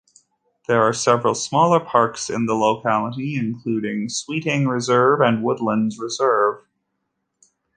There are several smaller parks in the locality, including Sweeting Reserve and Woodlands Reserve.